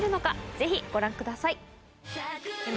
ぜひご覧ください。